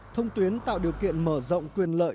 thông tuyến tạo điều kiện mở rộng quyền lợi